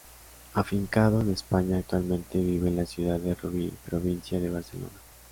Afincado en España, actualmente vive en la ciudad de Rubí, provincia de Barcelona.